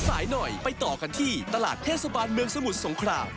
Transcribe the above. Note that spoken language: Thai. สายหน่อยไปต่อกันที่ตลาดเทศบาลเมืองสมุทรสงคราม